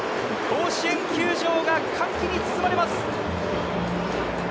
甲子園球場が歓喜に包まれます。